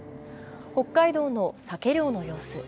北海道のサケ漁の様子。